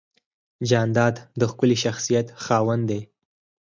جانداد د ښکلي شخصیت خاوند دی.